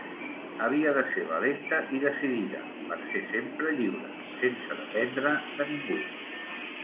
Havia de ser valenta i decidida, per ser sempre lliure; sense dependre de ningú.